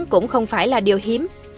cũng không phải là điều hiếm